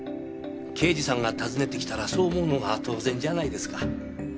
刑事さんが訪ねて来たらそう思うのが当然じゃないですか。